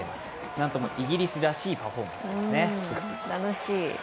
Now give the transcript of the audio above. なんともイギリスらしいパフォーマンスですね。